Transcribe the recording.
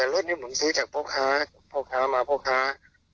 รถนี้ผมซื้อจากพวกค้ามาพวกค้า